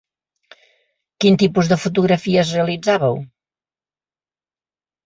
Quin tipus de fotografies realitzàveu?